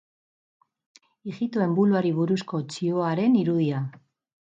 Ijitoen buloari buruzko txioaren irudia.